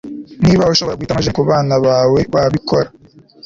niba ushobora guhitamo gen kubana bawe, wabikora